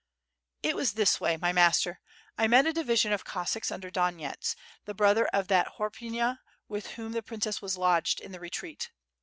'' "Jt was this way, my master. I met a division of Cossacks under Donyets, the brother of that Horpyna with whom the princess was lodged in the retreat.